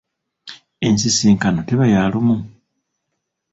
Ensisinkano teba ya lumu.